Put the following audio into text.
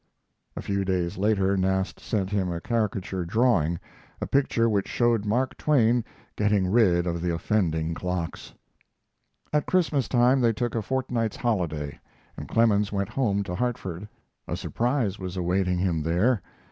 A few days later Nast sent him a caricature drawing a picture which showed Mark Twain getting rid of the offending clocks. At Christmas time they took a fortnight's holiday and Clemens went home to Hartford. A surprise was awaiting him there.